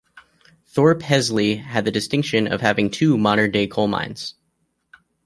Thorpe Hesley had the distinction of having two modern-day coal mines.